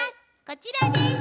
こちらです。